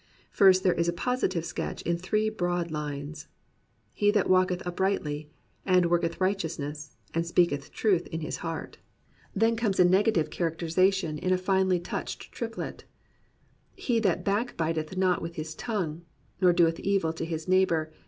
First there is a positive sketch in three broad lines: He that walketh uprightly, And worketh righteousness. And speaketh truth in his heart. 51 COMPANIONABLE BOOKS Then comes a negative characterization in a finely touched triplet: He that backbiteth not with his tongue. Nor doeth evil to his neighbor.